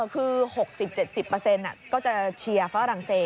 คือ๖๐๗๐เปอร์เซนต์ก็จะเชียฝรั่งเศส